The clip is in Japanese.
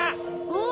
お！